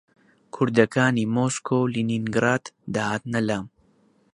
کوردەکانی مۆسکۆ و لینینگراد دەهاتنە لام